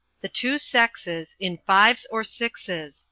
The Two Sexes in Fives or Sixes.